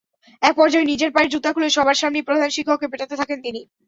একপর্যায়ে নিজের পায়ের জুতা খুলে সবার সামনেই প্রধান শিক্ষককে পেটাতে থাকেন তিনি।